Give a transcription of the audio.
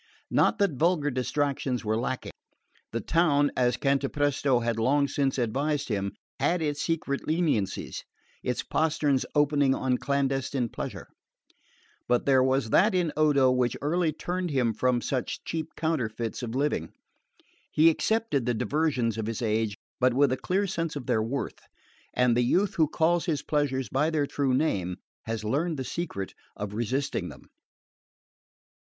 Not that vulgar distractions were lacking. The town, as Cantapresto had long since advised him, had its secret leniencies, its posterns opening on clandestine pleasure; but there was that in Odo which early turned him from such cheap counterfeits of living. He accepted the diversions of his age, but with a clear sense of their worth; and the youth who calls his pleasures by their true name has learned the secret of resisting them.